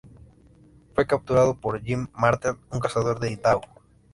Fue capturado por Jim Martell, un cazador de Idaho.